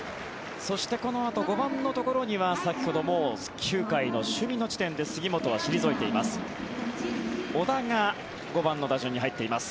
そしてこのあと５番のところには先ほどもう９回の守備の時点で杉本は退いています。